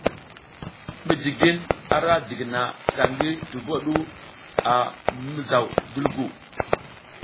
Mijigin ara jigina sla ngi tubo ɗu a mimizaw dulgu.